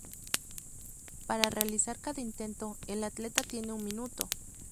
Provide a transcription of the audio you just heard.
Para realizar cada intento, el atleta tiene un minuto.